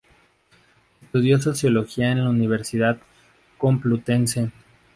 Estudio Sociología en la Universidad Complutense.